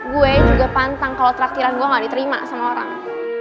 gue juga pantang kalau traktiran gue gak diterima sama orang